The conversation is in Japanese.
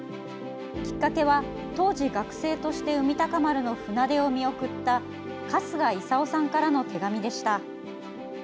きっかけは当時、学生として「海鷹丸」の船出を見送った春日功さんからの手紙でした。